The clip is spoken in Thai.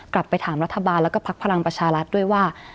กลับไปถามรัฐบาลแล้วก็พักพลังประชารัฐด้วยว่า